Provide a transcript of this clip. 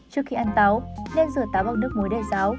trước khi ăn táo nên rửa táo bằng nước muối đầy giáo